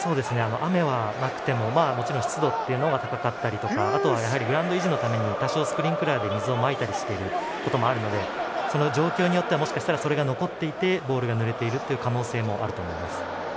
雨はなくてももちろん湿度が高かったりとかグラウンド維持のために多少、スプリンクラーで水をまいたりしてることもあるので状況によってはもしかしたらそれが残っていてボールがぬれている可能性もあると思います。